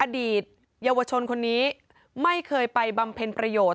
อดีตเยาวชนคนนี้ไม่เคยไปบำเพ็ญประโยชน์